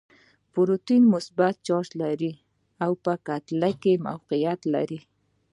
پروټون مثبت چارچ لري او په هسته کې موقعیت لري.